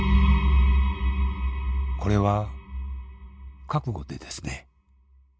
「これは覚悟でですね